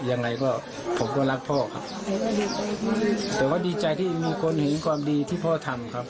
ยังไงก็ผมก็รักพ่อครับแต่ว่าดีใจที่มีคนเห็นความดีที่พ่อทำครับ